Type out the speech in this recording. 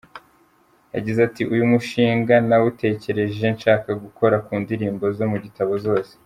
Yagize ati “Uyu mushinga nawutekereje nshaka gukora ku ndirimbo zo mu gitabo zose.